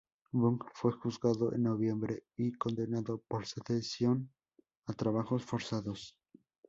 Buck fue juzgado en noviembre y condenado por sedición a trabajos forzados.